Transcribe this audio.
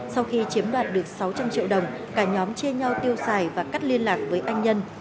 sau khi chiếm đoạt được sáu trăm linh triệu đồng cả nhóm chia nhau tiêu xài và cắt liên lạc với anh nhân